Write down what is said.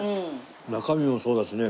中身もそうだしね